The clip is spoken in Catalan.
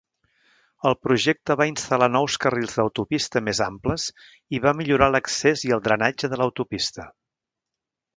El projecte va instal·lar nous carrils d'autopista més amples i va millorar l'accés i el drenatge de l'autopista.